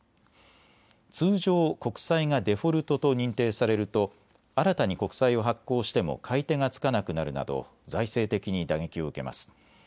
通常、国債がデフォルトと認定されると新たに国債を発行しても買い手がつかなくなるなど財政的に打撃を受けます。